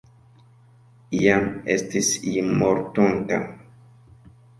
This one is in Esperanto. Iam estis iu mortonta.